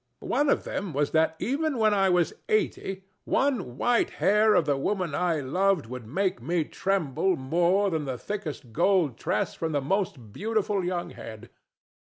One of them was that even when I was eighty, one white hair of the woman I loved would make me tremble more than the thickest gold tress from the most beautiful young head.